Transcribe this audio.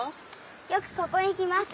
よくここにきますか？